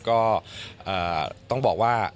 ก็ต้องบอกว่า